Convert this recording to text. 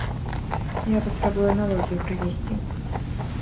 Я паспрабую аналогію правесці.